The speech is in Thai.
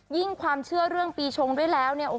ยิ่งความเชื่อเรื่องปีชงด้วยแล้ว